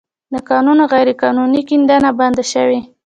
د کانونو غیرقانوني کیندنه بنده شوې